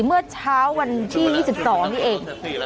เมื่อเช้าวันที่๒๒นี่เอง